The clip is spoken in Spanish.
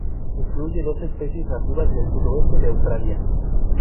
Incluye dos especies nativas del sudoeste de Australia.